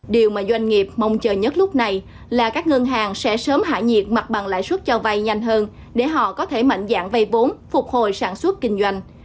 điều mà doanh nghiệp mong chờ nhất lúc này là các ngân hàng sẽ sớm hạ nhiệt mặt bằng lãi suất cho vay nhanh hơn để họ có thể mạnh dạng vây vốn phục hồi sản xuất kinh doanh